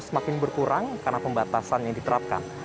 semakin berkurang karena pembatasan yang diterapkan